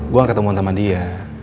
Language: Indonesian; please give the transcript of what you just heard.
gue gak ketemuan sama dia